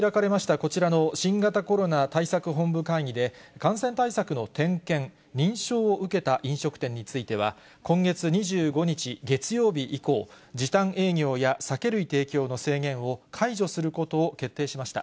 こちらの新型コロナ対策本部会議で、感染対策の点検・認証を受けた飲食店については、今月２５日月曜日以降、時短営業や酒類提供の制限を解除することを決定しました。